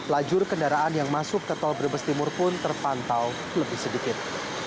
lajur kendaraan yang masuk ke tol brebes timur pun terpantau lebih sedikit